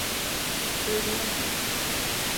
Söyleyemeyiz.